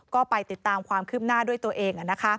ก็ไปติดตามความคืบหน้าด้วยตัวเอง